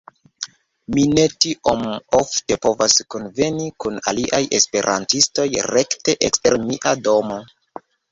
Mi ne tiom ofte povas kunveni kun aliaj esperantistoj rekte ekster mia domo.